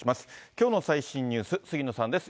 きょうの最新ニュース、杉野さんです。